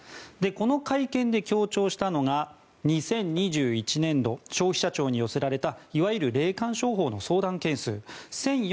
この会見で強調したのが２０２１年度消費者庁に寄せられたいわゆる霊感商法の相談件数。